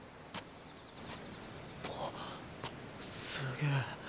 あっすげぇ。